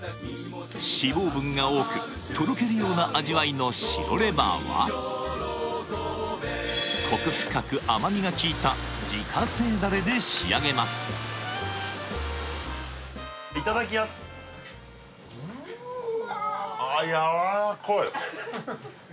脂肪分が多くとろけるような味わいの白レバーはコク深く甘みが効いた自家製ダレで仕上げますいただきやすうわ！